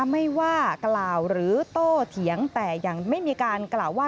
ไม่ว่ากล่าวหรือโตเถียงแต่ยังไม่มีการกล่าวว่า